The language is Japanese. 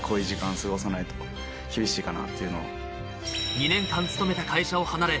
２年間勤めた会社を離れ、